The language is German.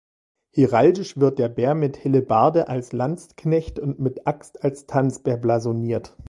Heraldisch wird der Bär mit Hellebarde als "Landsknecht" und mit Axt als "Tanzbär" blasoniert.